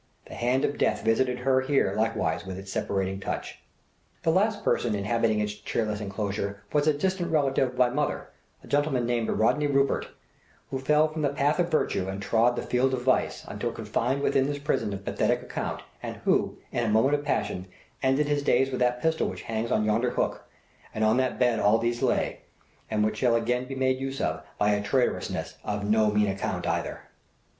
The hand of death visited her here likewise with its separating touch. "The last person inhabiting its cheerless enclosure was a distant relative of my mother, a gentleman named Rodney Rupert, who fell from the path of virtue and trod the field of vice, until confined within this prison of pathetic account, and who, in a moment of passion, ended his days with that pistol which hangs on yonder hook, and on that bed all these lay, and which shall again be made use of by a traitoress of no mean account either."